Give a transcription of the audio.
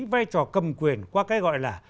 vai trò cầm quyền qua cái gọi là